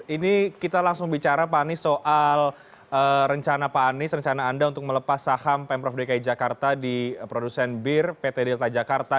ini kita langsung bicara pak anies soal rencana pak anies rencana anda untuk melepas saham pemprov dki jakarta di produsen bir pt delta jakarta